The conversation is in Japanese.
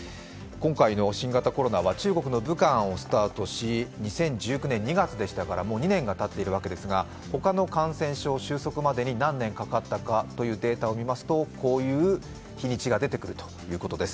今回の新型コロナは中国の武漢をスタートし２０１９年２月ですからもう２年がたっているわけですが他の感染症収束までに何年かかったかというデータを見ますと、こういう日にちが出てくるということです。